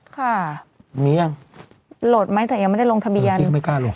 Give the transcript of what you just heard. ค่ะมียังโหลดไหมแต่ยังไม่ได้ลงทะเบียนยังไม่กล้าโหลด